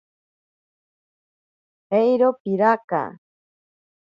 Eiro piraka.